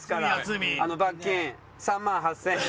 罰金３万８０００円。